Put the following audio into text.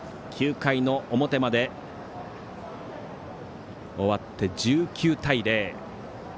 ９回表まで終わって１９対０。